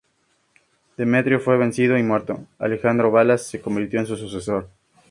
Demetrio fue vencido y muerto, y Alejandro Balas se convirtió en su sucesor.